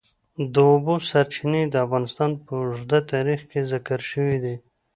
د اوبو سرچینې د افغانستان په اوږده تاریخ کې ذکر شوی دی.